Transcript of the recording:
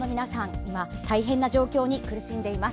今、大変な状況に苦しんでいます。